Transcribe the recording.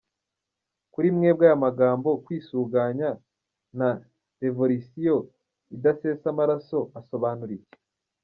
Kuri mwebwe aya magambo «kwisuganya» na «Revolisiyo idasesa amaraso» asobanura iki ?